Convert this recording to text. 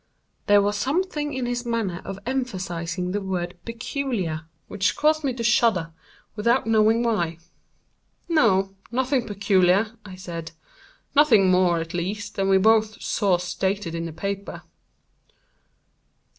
There was something in his manner of emphasizing the word "peculiar," which caused me to shudder, without knowing why. "No, nothing peculiar," I said; "nothing more, at least, than we both saw stated in the paper."